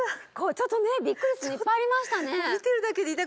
ちょっとねビックリするのいっぱいありましたね